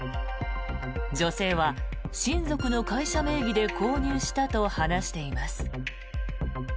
女性は親族の会社名義で購入したと話しています。